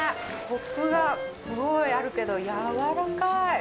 コクがすごいあるけどやわらかい。